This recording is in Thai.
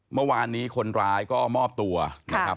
เมื่อวานนี้คนร้ายก็มอบตัวนะครับ